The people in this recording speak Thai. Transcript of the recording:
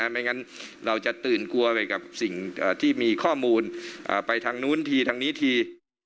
ไม่งั้นเราจะตื่นกลัวไปกับสิ่งที่มีข้อมูลไปทางนู้นทีทางนี้ที